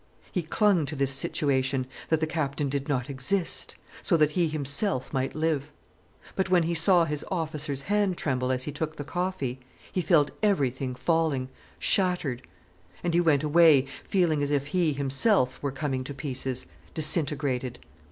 He clung to this situation—that the Captain did not exist—so that he himself might live. But when he saw his officer's hand tremble as he took the coffee, he felt everything falling shattered. And he went away, feeling as if he himself were coming to pieces, disintegrated.